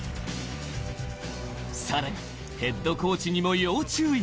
さらにヘッドコーチにも要注意。